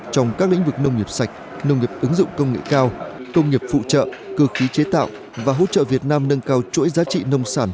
trong các lĩnh vực nông nghiệp sạch nông nghiệp ứng dụng công nghệ cao công nghiệp phụ trợ cơ khí chế tạo và hỗ trợ việt nam nâng cao chuỗi giá trị nông sản